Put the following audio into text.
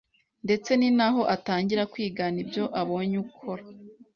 ndetse ni naho atangira kwigana ibyo abonye ukora.